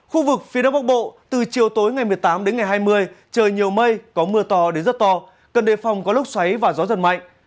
khu vực phía đông bắc bộ từ chiều tối ngày một mươi tám đến ngày hai mươi trời nhiều mây có mưa to đến rất to cần đề phòng có lúc xoáy và gió giật mạnh